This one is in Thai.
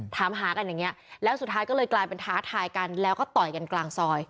ถามหากันอย่างนี้แล้วสุดท้ายก็เลยกลายเป็นท้าทายกันแล้วก็ต่อยกันกลางซอย